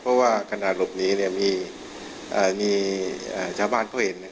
เพราะว่ากันหนาลบนี้มีชาวบ้านเข้าเห็น